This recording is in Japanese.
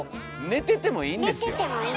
寝ててもいいんです。